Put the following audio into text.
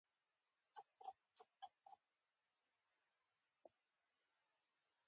مینې په ژړا کوټې ته لاړه او دروازه یې بنده کړه